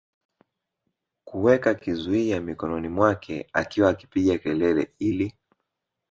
kuweka kizuia mikononi mwake akiwa akipiga kelele ili